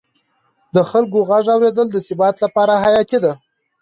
د خلکو غږ اورېدل د ثبات لپاره حیاتي دی